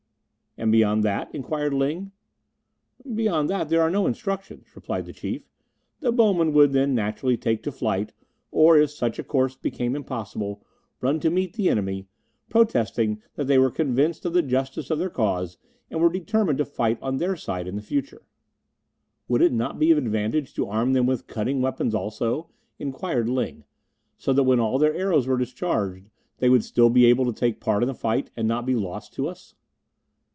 "And beyond that?" inquired Ling. "Beyond that there are no instructions," replied the Chief. "The bowmen would then naturally take to flight, or, if such a course became impossible, run to meet the enemy, protesting that they were convinced of the justice of their cause, and were determined to fight on their side in the future." "Would it not be of advantage to arm them with cutting weapons also?" inquired Ling; "so that when all their arrows were discharged they would still be able to take part in the fight, and not be lost to us?"